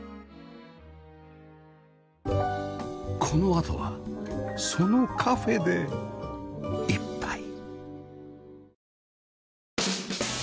このあとはそのカフェで一杯